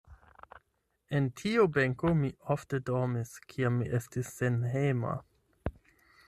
En tiu benko mi ofte dormis kiam mi estis senhejma.